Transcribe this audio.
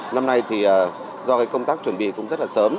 năm nay thì do công tác chuẩn bị cũng rất là sớm